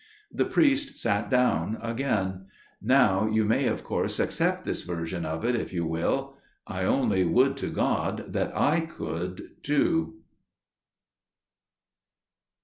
The priest sat down again. "Now you may of course accept this version of it, if you will. I only would to God that I could too."